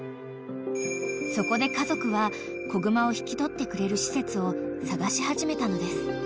［そこで家族は子熊を引き取ってくれる施設を探し始めたのです］